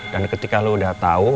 dan ketika lo udah tau